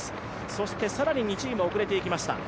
そして、更に２チーム遅れていきました。